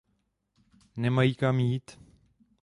Nemají kam jít.